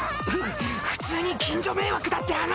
ふ普通に近所迷惑だって話！